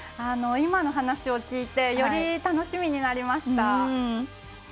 今の話を聞いてより楽しみになりました。